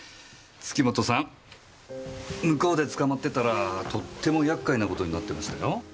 向こうで捕まってたらとっても厄介な事になってましたよ。